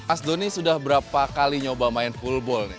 asdoni sudah berapa kali nyoba main full ball